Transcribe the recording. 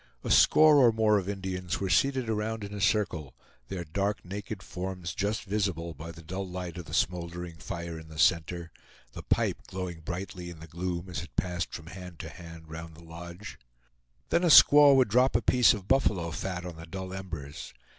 A score or more of Indians were seated around in a circle, their dark naked forms just visible by the dull light of the smoldering fire in the center, the pipe glowing brightly in the gloom as it passed from hand to hand round the lodge. Then a squaw would drop a piece of buffalo fat on the dull embers.